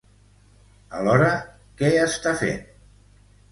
Alhora, què està fent?